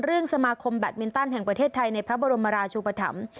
สมาคมแบตมินตันแห่งประเทศไทยในพระบรมราชุปธรรม